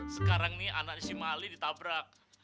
sekarang nih anak isi mali ditabrak